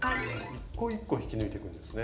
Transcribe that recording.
一個一個引き抜いていくんですね。